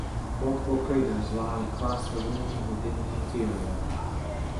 Multiple craters lie across the rim and within the interior.